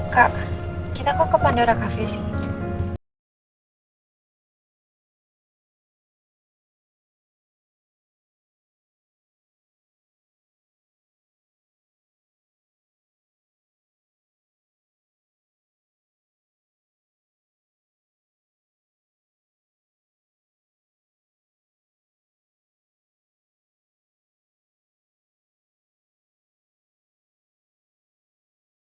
kak kita kok ke pandora cafe sih